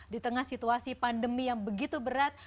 di tengah situasi pandemi yang begitu berat